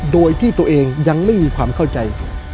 โดยที่ตัวเองยังไม่มีความเข้าใจ